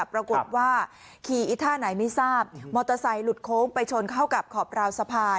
ปรากฏว่าขี่อีท่าไหนไม่ทราบมอเตอร์ไซค์หลุดโค้งไปชนเข้ากับขอบราวสะพาน